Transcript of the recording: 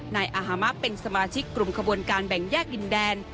นายอาฮามะเป็นสมาชิกกลุ่มขบวนการแบ่งแยกดินแดน